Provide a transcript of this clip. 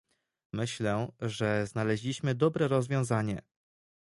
Myślę, że znaleźliśmy dobre rozwiązanie